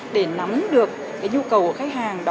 để nắm được nhu cầu của khách hàng đó